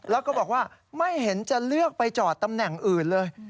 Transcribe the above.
แล้วก็บอกว่าไม่เห็นจะเลือกไปจอดตำแหน่งอื่นเลย